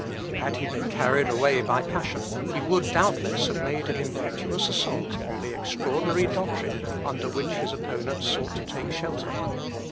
Had he been carried away by passion, he would doubtless have made an impetuous assault on the extraordinary doctrine under which his opponents sought to take shelter.